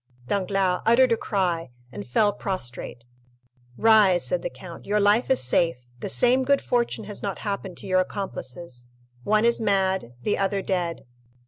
Danglars uttered a cry, and fell prostrate. "Rise," said the count, "your life is safe; the same good fortune has not happened to your accomplices—one is mad, the other dead.